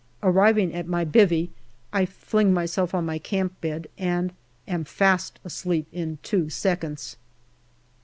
Arriving at my " bivvy," I fling myself on my camp bed and am fast asleep in two seconds.